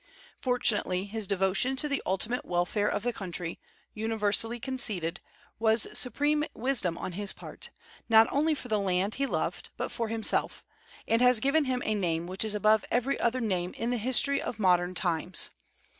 Fortunately, his devotion to the ultimate welfare of the country, universally conceded, was supreme wisdom on his part, not only for the land he loved but for himself, and has given him a name which is above every other name in the history of modern times.